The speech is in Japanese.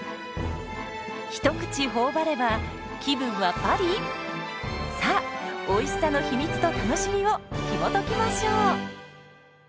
一口頬張れば気分はパリ⁉さあおいしさの秘密と楽しみをひもときましょう。